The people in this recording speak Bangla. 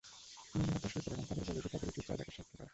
মিলি হতাশ হয়ে পড়ে এবং তাদের বলে যে তাদের উচিত রাজাকে সাহায্য করা।